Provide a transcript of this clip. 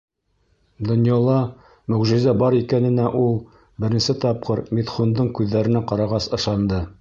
Донъяла мөғжизә бар икәненә ул, беренсе тапҡыр Митхундың күҙҙәренә ҡарағас, ышанды.